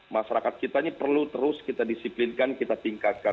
masyarakat kita ini perlu terus kita disiplinkan kita tingkatkan